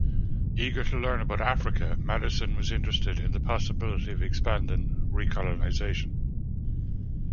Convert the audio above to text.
Eager to learn about Africa, Madison was interested in the possibility of expanding recolonization.